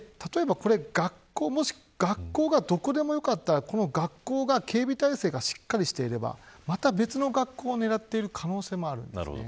もし学校がどこでもよかったらこの学校が警備体制がしっかりしていればまた別の学校を狙っていた可能性もあります。